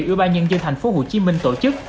ưu ba nhân dân tp hcm tổ chức